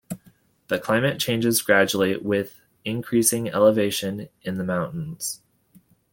The climate changes gradually with increasing elevation in the mountains.